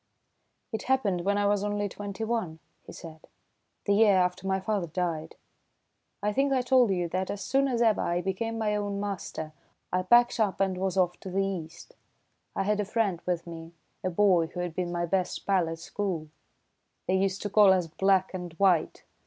"It happened when I was only twenty one," he said, "the year after my father died. I think I told you that as soon as ever I became my own master, I packed up and was off to the East. I had a friend with me, a boy who had been my best pal at school. They used to call us 'Black and White.'